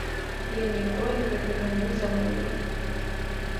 Я ніколі гэтага не забуду.